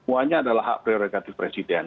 semuanya adalah hak prerogatif presiden